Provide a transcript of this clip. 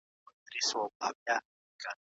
ښځه حق لري چې د ناروغۍ په حالت کې علاج شي.